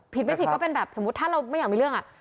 ไม่ผิดก็เป็นแบบสมมุติถ้าเราไม่อยากมีเรื่องอ่ะ